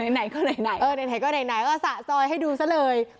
ไหนก็ไหนก็สะซอยให้ดูซะเลย